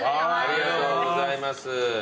ありがとうございます。